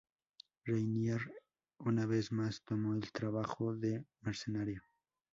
Rainier una vez más tomó el trabajo de mercenario.